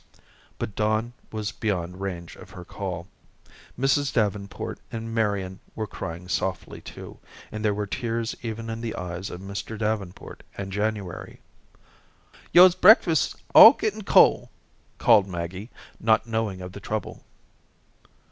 But Don was beyond range of her call. Mrs. Davenport and Marian were crying softly, too, and there were tears even in the eyes of Mr. Davenport and January. "You'se breakfasts all gettin' cole," called Maggie, not knowing of the trouble.